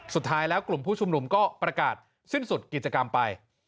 สุดท้ายแล้วกลุ่มผู้ชุมนุมก็ประกาศสิ้นสุดกิจกรรมไป